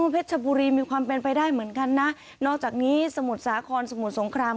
เพชรชบุรีมีความเป็นไปได้เหมือนกันนะนอกจากนี้สมุทรสาครสมุทรสงคราม